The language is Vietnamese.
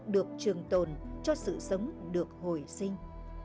được trường tồn cho sự sống được hồi sinh